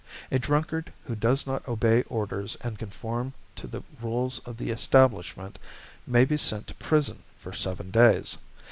A drunkard who does not obey orders and conform to the rules of the establishment may be sent to prison for seven days.